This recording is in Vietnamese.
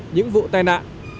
những vụ tai nạn